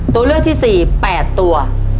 ตู้เลือกที่๔แปดตัว